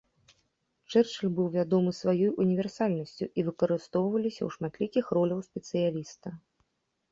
Чэрчыль быў вядомы сваёй універсальнасцю і выкарыстоўваліся ў шматлікіх роляў спецыяліста.